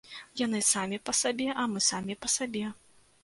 Яны самі па сабе, а мы самі па сабе.